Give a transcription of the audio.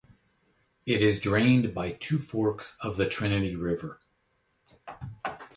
It is drained by two forks of the Trinity River.